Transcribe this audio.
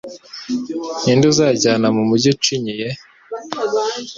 Ni nde uzanjyana mu mugi ucinyiye?